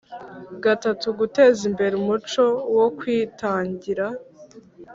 iii Guteza imbere umuco wo kwitangira